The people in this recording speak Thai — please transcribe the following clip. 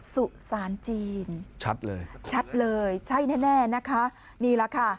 สุสานจีนชัดเลยชัดเลยใช่แน่แน่นะคะนี่แหละค่ะ